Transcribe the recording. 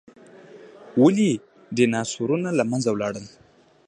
ولې ډیناسورونه له منځه لاړل؟